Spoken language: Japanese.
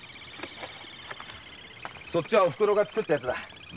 そっちはオフクロが作ったやつだ。